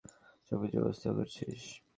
সবকিছু ব্যাব্স্থা করছিস?